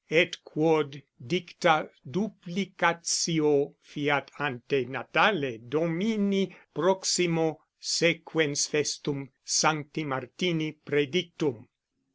Et quod dicta dupplicatio fiat ante natale domini proximo sequens festum Sancti Martini predictum.